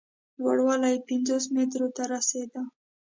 لوړوالی یې پینځو مترو ته رسېده.